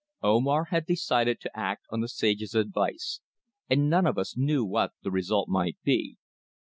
Omar had decided to act on the sage's advice, and none of us knew what the result might be.